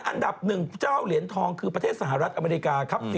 อันดับ๑เจ้าเหรียญทองคือประเทศสหรัฐอเมริกาครับ